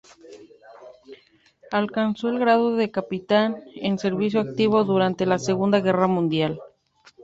Alcanzó el grado de Capitán en servicio activo durante la Segunda Guerra Mundial.